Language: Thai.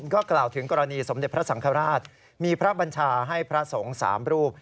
ก็กล่าวถึงกรณีสมเด็จพระสังฆราชมีพระบัญชาให้พระสงฆ์๓รูป